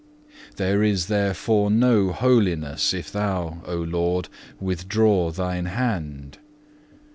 2. There is therefore no holiness, if Thou O Lord, withdraw Thine hand.